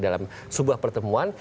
dalam sebuah pertemuan